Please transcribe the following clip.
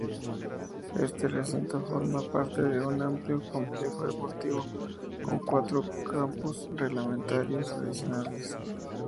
Este recinto forma parte de un amplio complejo deportivo con cuatro campos reglamentarios adicionales.